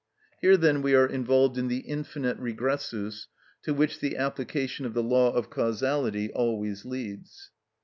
Here then we are involved in the infinite regressus to which the application of the law of causality always leads.